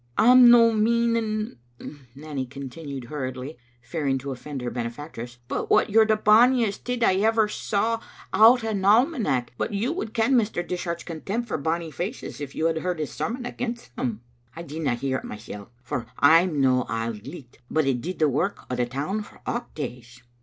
" I'm no meaning," Nanny continued hurriedly, fear ing to offend her benefactress, "but what you're the bonniest tid I ever saw out o' an almanack. But you would ken Mr. Dishart's contempt for bonny faces if you had heard his sermon against them. I didna hear it mysel', for I'm no Auld Licht, but it did the work o* the town for an aucht days."